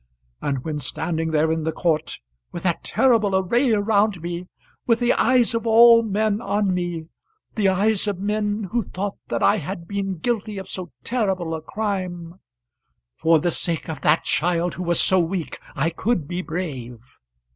And when standing there in the Court, with that terrible array around me, with the eyes of all men on me, the eyes of men who thought that I had been guilty of so terrible a crime, for the sake of that child who was so weak I could be brave.